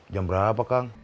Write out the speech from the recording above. jam berapa kang